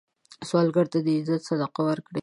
سوالګر ته د عزت صدقه ورکړه